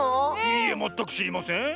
いいえまったくしりません。